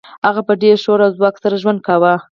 هغه په ډیر شور او ځواک سره ژوند کاوه